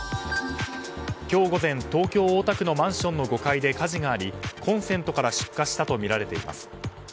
今日午前、東京・大田区のマンションの５階で火事がありコンセントから出火したとみられています。